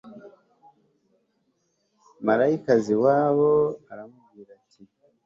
malayika aza iwabo aramubwira ati